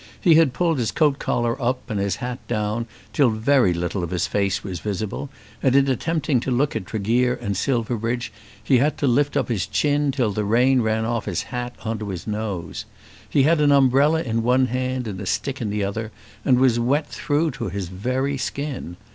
He had pulled his coat collar up and his hat down till very little of his face was visible, and in attempting to look at Tregear and Silverbridge he had to lift up his chin till the rain ran off his hat on to his nose. He had an umbrella in one hand and a stick in the other, and was wet through to his very skin.